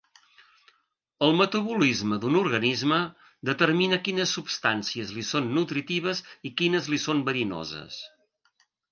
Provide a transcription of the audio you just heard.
El metabolisme d'un organisme determina quines substàncies li són nutritives i quines li són verinoses.